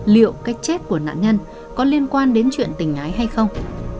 liệu cách chết của nạn nhân có liên quan đến chuyện tình huống